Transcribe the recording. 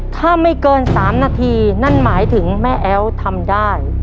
ถ้าไม่เกิน๓นาทีนั่นหมายถึงแม่แอ๊วทำได้